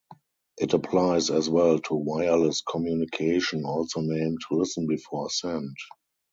It applies as well to wireless communication, also named "listen before send".